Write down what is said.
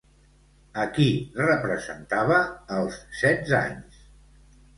A qui representava als setze anys?